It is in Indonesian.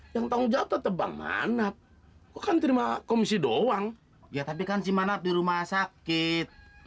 yang tanggung jawab tetep bang manap kan terima komisi doang ya tapi kan si manap di rumah sakit